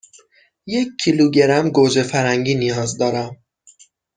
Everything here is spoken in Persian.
یک کیلوگرم گوجه فرنگی نیاز دارم.